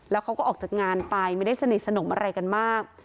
แล้วเขาก็ออกจากงานไปไม่ได้สนิทสนมอะไรกันมาก